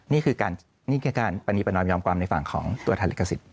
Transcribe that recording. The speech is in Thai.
นี่คือการประนีประนอยมยอมความในฝั่งของตัวทางลิขสิทธิ์